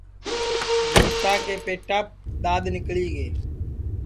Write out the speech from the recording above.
روہیتا کے پیٹاپ دؔاد نیکݪی گے